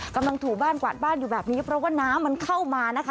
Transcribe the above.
ถูบ้านกวาดบ้านอยู่แบบนี้เพราะว่าน้ำมันเข้ามานะคะ